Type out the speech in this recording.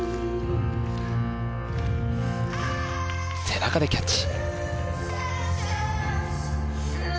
背中でキャッチ。